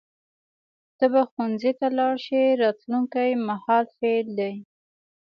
ته به ښوونځي ته لاړ شې راتلونکي مهال فعل دی.